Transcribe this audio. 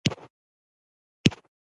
د دغه واقعاتو په اړه